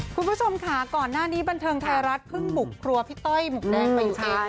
คุณผู้ชมค่ะก่อนหน้านี้บันเทิงไทยรัฐเพิ่งบุกครัวพี่ต้อยหมวกแดงไป